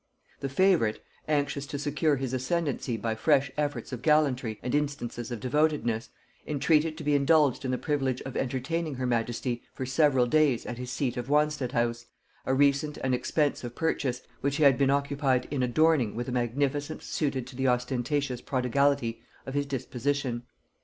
The favorite, anxious to secure his ascendency by fresh efforts of gallantry and instances of devotedness, entreated to be indulged in the privilege of entertaining her majesty for several days at his seat of Wanstead house; a recent and expensive purchase, which he had been occupied in adorning with a magnificence suited to the ostentatious prodigality of his disposition.